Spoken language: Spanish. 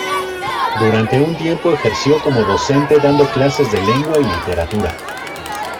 Durante un tiempo ejerció como docente dando clases de lengua y literatura.